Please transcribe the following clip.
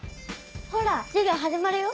ほら授業始まるよ。